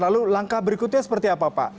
lalu langkah berikutnya seperti apa pak